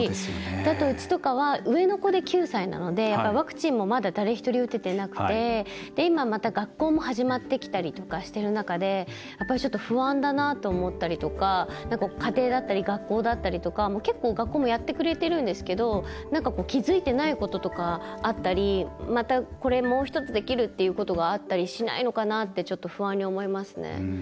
うちとかは上の子で９歳なのでワクチンもまだ誰一人打ててなくて学校も始まってきたりとかしている中で不安だなと思ったりとか家庭だったり学校だったりと結構、学校もやってくれてるんですけど気付いてないこととかあったりまたこれ、もう１つできるっていうことがあったりしないのかなって不安に思いますね。